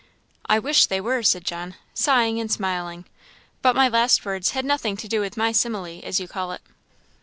"I wish they were," said John, sighing and smiling; "but my last words had nothing to do with my simile, as you call it."